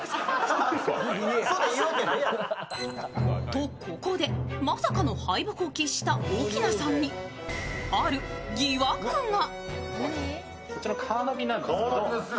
と、ここでまさかの敗北を喫した奧菜さんにある疑惑が。